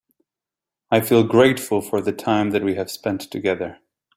I feel grateful for the time that we have spend together.